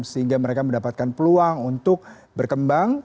sehingga mereka mendapatkan peluang untuk berkembang